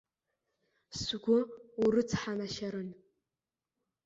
Сгәы урыцҳанашьарын.